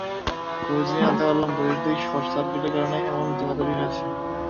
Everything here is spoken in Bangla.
খোঁজ নিয়ে জানতে পারলাম, বৈদ্যুতিক শর্টসার্কিটের কারণেই এমন ধোঁয়া তৈরি হয়েছে।